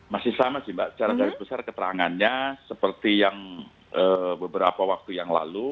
masih sama sih mbak secara garis besar keterangannya seperti yang beberapa waktu yang lalu